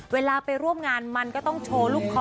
เวลาไปร่วมงานมันก็ต้องโชว์ลูกคอ